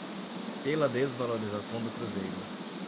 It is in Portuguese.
pela desvalorização do cruzeiro